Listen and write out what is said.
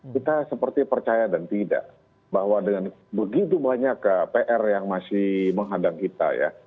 kita seperti percaya dan tidak bahwa dengan begitu banyak pr yang masih menghadang kita ya